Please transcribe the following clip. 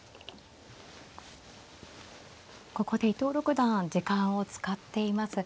ここで伊藤六段時間を使っています。